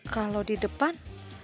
kalau di depan